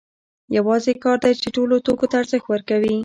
یوازې کار دی چې ټولو توکو ته ارزښت ورکوي